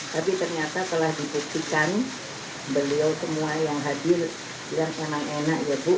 tapi ternyata telah dipuktikan beliau semua yang hadir bilang emang enak ya bu